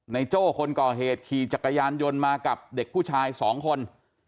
โจ้คนก่อเหตุขี่จักรยานยนต์มากับเด็กผู้ชายสองคน